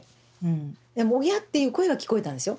でもオギャっていう声は聞こえたんですよ。